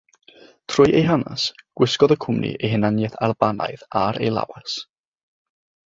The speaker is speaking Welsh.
Trwy ei hanes, gwisgodd y cwmni ei hunaniaeth Albanaidd ar ei lawes.